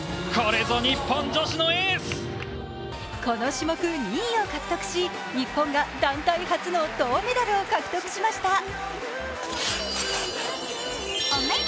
この種目２位を獲得し、日本が団体初の銅メダルを獲得しました。